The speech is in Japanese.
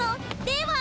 では。